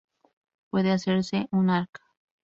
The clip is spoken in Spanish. Puede hacerse una Arq.